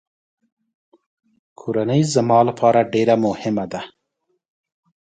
کورنۍ زما لپاره ډېره مهمه ده.